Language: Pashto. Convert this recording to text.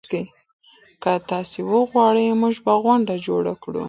که تاسي وغواړئ موږ به غونډه جوړه کړو.